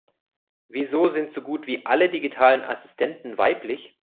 Wieso sind so gut wie alle digitalen Assistenten weiblich?